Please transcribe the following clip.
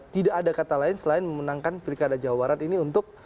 tidak ada kata lain selain memenangkan pilkada jawa barat ini untuk